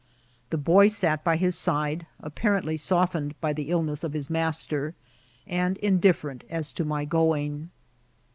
The boy sat by his side, apparently softened by the illness of his master, and indifferent as to my going.